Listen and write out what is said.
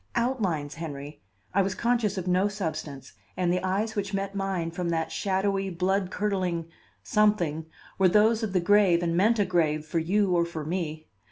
Outlines, Henry, I was conscious of no substance, and the eyes which met mine from that shadowy, blood curdling Something were those of the grave and meant a grave for you or for me.